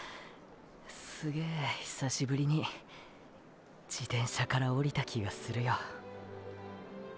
すげー久しぶりに自転車から降りた気がするよ。